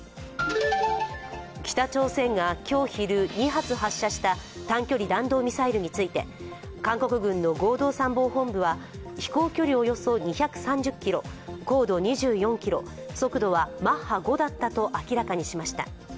北朝鮮が今日昼、２発発射した短距離弾道ミサイルについて韓国軍の合同参謀本部は飛行距離およそ２３０ｋｍ、高度２４ｋｍ、速度はマッハ５だったと明らかにしました。